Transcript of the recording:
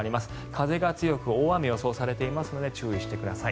風が強く大雨が予想されていますので注意してください。